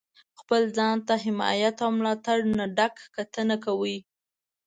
خپل ځان ته د حمایت او ملاتړ نه ډکه کتنه کوئ.